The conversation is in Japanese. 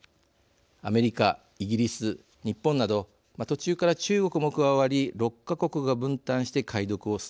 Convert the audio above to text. アメリカイギリス日本など途中から中国も加わり６か国が分担して解読を進めました。